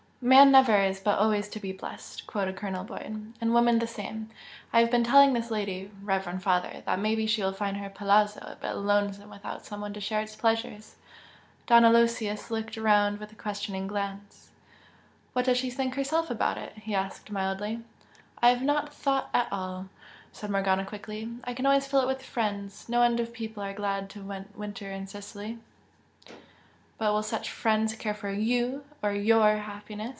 "'Man never is but always to be blest'!" quoted Colonel Boyd "And woman the same! I have been telling this lady, reverend father, that maybe she will find her 'palazzo' a bit lonesome without some one to share its pleasures." Don Aloysius looked round with a questioning glance. "What does she herself think about it?" he asked, mildly. "I have not thought at all" said Morgana, quickly, "I can always fill it with friends. No end of people are glad to winter in Sicily." "But will such 'friends' care for YOU or YOUR happiness?"